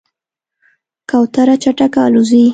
کوتره چټکه الوزي.